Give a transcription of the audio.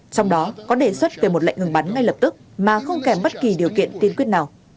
trong đó có đề xuất về một lệnh ngừng bắn ngay lập tức mà không kèm bất kỳ điều kiện tiên quyết nào